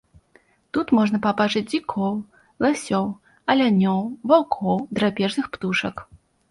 Тут можна пабачыць дзікоў, ласёў, алянёў, ваўкоў, драпежных птушак.